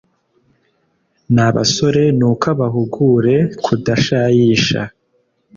N abasore ni uko ubahugure kudashayisha